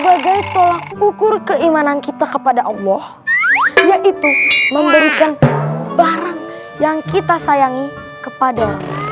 sebagai tolak ukur keimanan kita kepada allah yaitu memberikan barang yang kita sayangi kepada orang